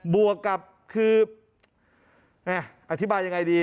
บวกกับคืออธิบายยังไงดี